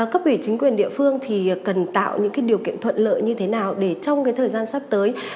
cấp ủy chính quyền địa phương thì cần tạo những điều kiện thuận lợi như thế nào để trong thời gian sắp tới